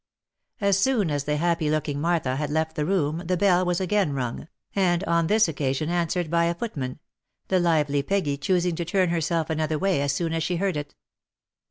As soon as the happy looking Martha had left the room the bell was again rung, and on this occasion answered by a footman, — the lively Peggy choosing to turn herself another way as soon as she heard it.